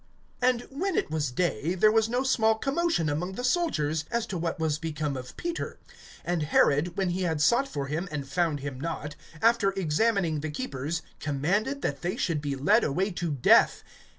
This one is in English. (18)And when it was day, there was no small commotion among the soldiers, as to what was become of Peter. (19)And Herod, when he had sought for him, and found him not, after examining the keepers, commanded that they should be led away to death.